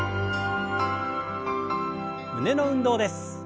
胸の運動です。